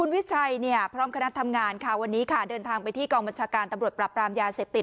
วันนี้ค่ะเดินทางไปที่กองบัญชาการตำรวจปรับปรามยาเสพติด